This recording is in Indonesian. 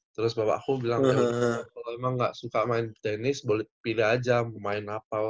terus bapakku bilang kalau emang gak suka main tenis boleh pilih aja mau main apa